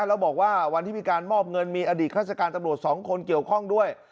แล้วบอกว่าวันที่มีการมอบเงินมีอดีตราชการตำรวจ๒คนเกี่ยวข้องด้วย